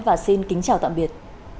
và xin kính chào tạm biệt